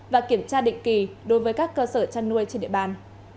và kiểm tra định kỳ đối với các cơ sở chăn nuôi trên địa bàn